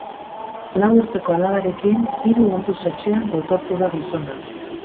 Lau urteko alabarekin hiru orduz etxean gotortu da gizona.